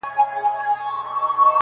اشخاص ټول نه